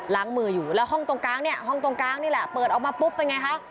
มืออยู่แล้วห้องตรงกลางเนี่ยห้องตรงกลางนี่แหละเปิดออกมาปุ๊บเป็นไงคะ